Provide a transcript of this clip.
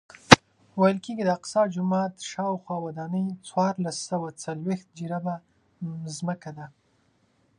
ویل کېږي د اقصی جومات شاوخوا ودانۍ څوارلس سوه څلوېښت جریبه ځمکه ده.